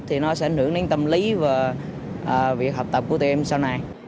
thì nó sẽ ảnh hưởng đến tâm lý và việc học tập của tụi em sau này